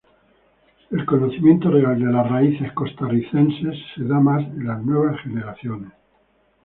El conocimiento real de las raíces costarricenses se da más en las nuevas generaciones.